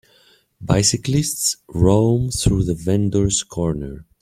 Bicyclists roam through the vendors ' corner.